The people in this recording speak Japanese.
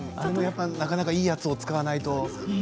やっぱなかなかいいやつを使わないと。